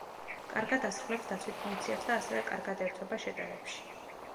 კარგად ასრულებს დაცვით ფუნქციებს და ასევე კარგად ერთვება შეტევებში.